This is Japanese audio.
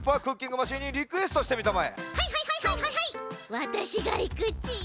わたしがいくち。